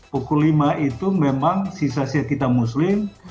pukul lima itu memang sisa sisa kita muslim